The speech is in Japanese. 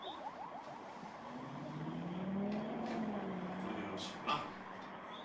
これでよろしいかな？